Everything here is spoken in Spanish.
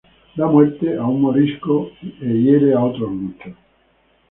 Da muerte a un morisco e hiere a otros muchos.